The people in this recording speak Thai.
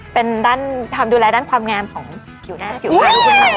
เป็นด้านทำดูแลด้านความงามของผิวหน้าผิวข้าง